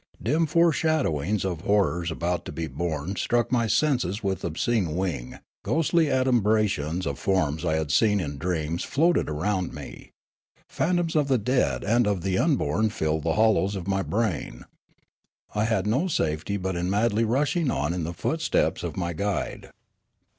Dim foreshadowings of horrors about to be born struck my senses with ob.scene wing ; ghostly adumbrations of forms I had seen in dreams floated round me. Phan toms of the dead and of the unborn filled the hollows of my brain. I had no safety but in madly rushing on in the footsteps of my guide.